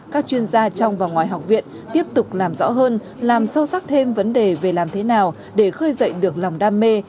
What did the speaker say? các chuyên gia trong và ngoài học viện tiếp tục làm rõ hơn làm sâu sắc thêm vấn đề về làm thế nào để khơi dậy được lòng đam mê